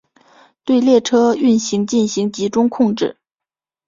对列车运行进行集中控制。